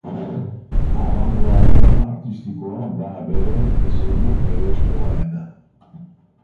Abangoardia artistikoa da bere zeinu berezkoena.